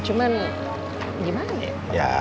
cuman gimana ya pak